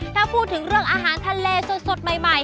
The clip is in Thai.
ถ้าพูดถึงเรื่องอาหารทะเลสดใหม่